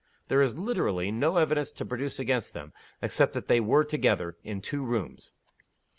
There is literally no evidence to produce against them, except that they were together in two rooms.